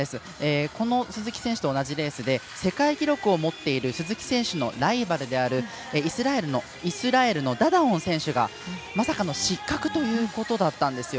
鈴木選手と同じレースで世界記録を持っている鈴木選手のライバルのイスラエルのダダオン選手がまさかの失格ということだったんです。